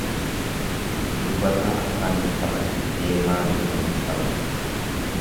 Dubbataa afaan hin qaban, deemaa mila hin qaban.